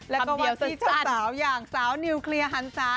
แล้วก็วัตถีเฉาอย่างสาวนิวเคลียร์ฮันซ้า